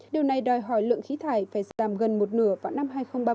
điều này đòi hỏi lượng khí thải phải giảm gần một nửa vào năm hai nghìn ba mươi